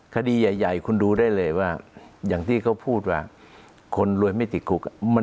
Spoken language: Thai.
คดีใหญ่คุณดูได้เลยว่าอย่างที่เขาพูดว่า